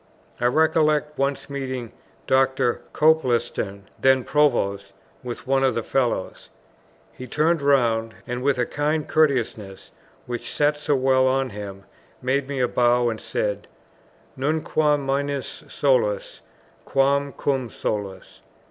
I recollect once meeting Dr. Copleston, then Provost, with one of the Fellows. He turned round, and with the kind courteousness which sat so well on him, made me a bow and said, "Nunquam minus solus, quàm cùm solus."